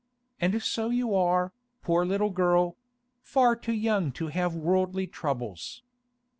And so you are, poor little girl—far too young to have worldly troubles.